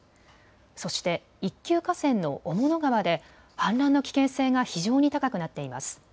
そして一級河川の雄物川で氾濫の危険性が非常に高くなっています。